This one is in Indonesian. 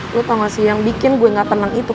lo tau gak sih yang bikin gue gak tenang itu